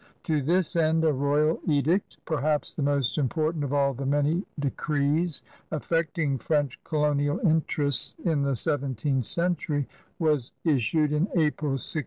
To this end a royal edict, perhaps the most important of all the many decrees affecting French colonial interests in the seventeenth century, was issued in April, 1668.